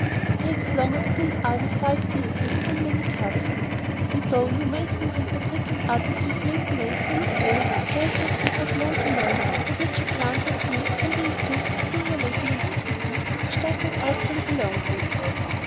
It takes longer to build ivy five feet thick than many castles, and though new masonry by trick and artifice may be made to look like old, there is no secret known to man by which a plant or tree can be induced to simulate an antiquity which does not rightfully belong to it.